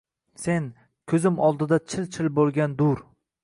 Sen — ko‘zim oldida chil-chil bo‘lgan dur